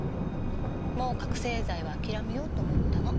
もう覚せい剤はあきらめようと思ったの。